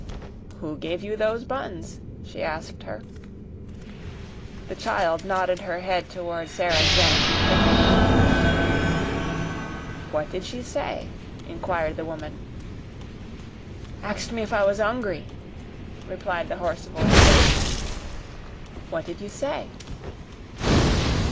"Who gave you those buns?" she asked her. The child nodded her head toward Sara's vanishing figure. "What did she say?" inquired the woman. "Axed me if I was 'ungry," replied the hoarse voice. "What did you say?"